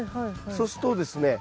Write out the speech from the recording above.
そうするとですね